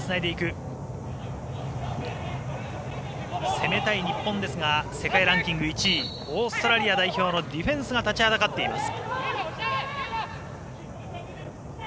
攻めたい日本ですが世界ランキング１位オーストラリア代表のディフェンスが立ちはだかっています。